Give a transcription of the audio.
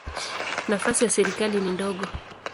Nafasi ya serikali ni ndogo.